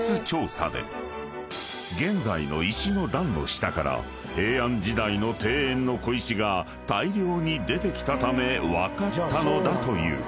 ［現在の石の壇の下から平安時代の庭園の小石が大量に出てきたため分かったのだという］